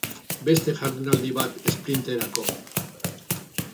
Beste jardunaldi bat esprinterako.